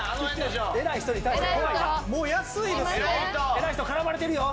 偉い人絡まれてるよ